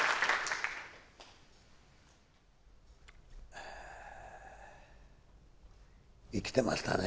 ああ生きてましたね。